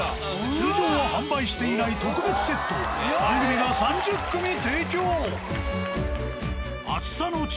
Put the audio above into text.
通常は販売していない特別セットを番組が３０組提供！